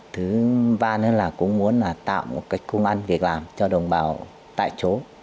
thứ ba nữa là cũng muốn tạo một cách cung ăn việc làm cho đồng bào tại chỗ